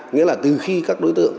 nghĩa là từ khi các đối tượng